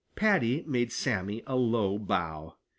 Paddy made Sammy a low bow.